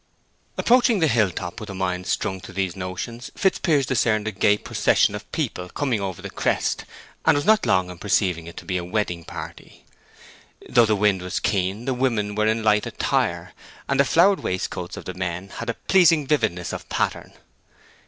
Approaching the hill top with a mind strung to these notions, Fitzpiers discerned a gay procession of people coming over the crest, and was not long in perceiving it to be a wedding party. Though the wind was keen the women were in light attire, and the flowered waistcoats of the men had a pleasing vividness of pattern.